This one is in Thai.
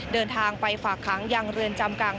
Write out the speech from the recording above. เดินทางไปฝากขังอย่างเรือนจำกัง